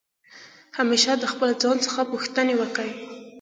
همېشه د خپل ځان څخه پوښتني وکئ!